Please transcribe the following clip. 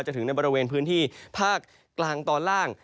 ถึงในบริเวณพื้นที่ภาคกลางตอนล่าง